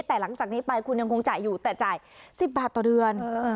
แต่หลังจากนี้ไปคุณยังคงจ่ายอยู่แต่จ่าย๑๐บาทต่อเดือน